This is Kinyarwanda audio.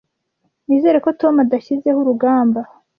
Nizere ko Tom adashyizeho urugamba.